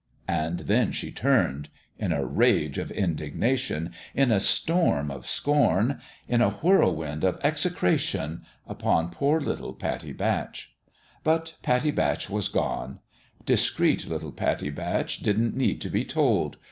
And then she turned in a rage of indignation in a storm of scorn in a whirlwind of execration upon poor little Pattie Batch. But Pattie Batch was gone. Discreet little Pattie Batch didn't need to be told